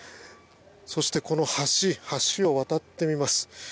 そして、この橋橋を渡ってみます。